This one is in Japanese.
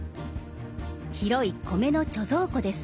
広い米の貯蔵庫です。